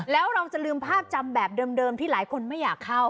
แล้วเราจะลืมภาพจำแบบเดิมที่หลายคนไม่อยากเข้า